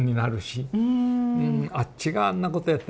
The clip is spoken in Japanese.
「あっちがあんなことやってんだ。